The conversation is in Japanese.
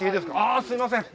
ああすいません